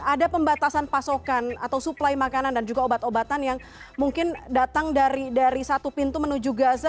ada pembatasan pasokan atau suplai makanan dan juga obat obatan yang mungkin datang dari satu pintu menuju gaza